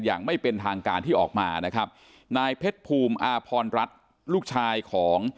อย่างไม่เป็นทางการที่ออกมานะครับนายเพชรภูมิอาพรรัฐลูกชายของ